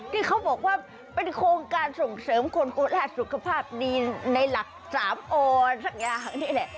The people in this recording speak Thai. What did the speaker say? ที่เขาบอกว่าเป็นโครงการส่งเสริมคนโคราชสุขภาพดีในหลัก๓ออนสักอย่างนี่แหละ